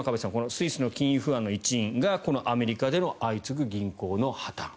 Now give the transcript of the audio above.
スイスの金融不安の一因がこのアメリカでの相次ぐ銀行の破たん。